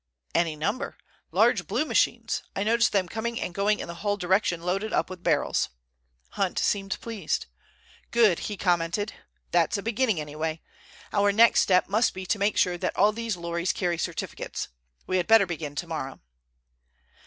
"Any number; large blue machines. I noticed them going and coming in the Hull direction loaded up with barrels." Hunt seemed pleased. "Good," he commented. "That's a beginning anyway. Our next step must be to make sure that all these lorries carry certificates. We had better begin tomorrow."